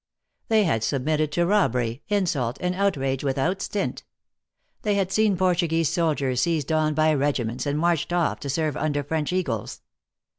They had submitted to robbery, insult, and outrage without stint. They had seen Portuguese soldiers seized on by regiments, and marched off to serve under French eagles.